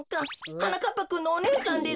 はなかっぱくんのおねえさんですか？